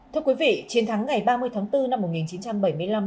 thưa quý vị chiến thắng ngày ba mươi tháng bốn năm một nghìn chín trăm bảy mươi năm